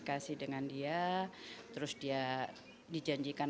agar dia bisa berjaga